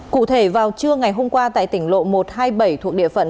cụ thể vào trưa ngày hôm qua tại tỉnh lộ một trăm hai mươi bảy thuộc địa phận